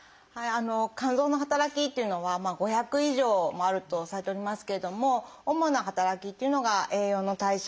肝臓の働きというのは５００以上もあるとされておりますけれども主な働きというのが「栄養の代謝」